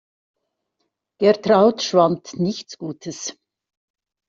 Gertraud schwant nichts Gutes.